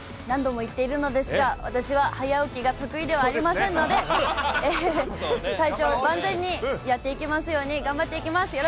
何度も言っているのですが、私は早起きが得意ではありませんので、体調を万全にやっていけますように、頑張っていきます。